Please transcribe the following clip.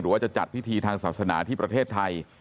ว่าจะจัดพิธีทางศาสนาที่ประเทศไทย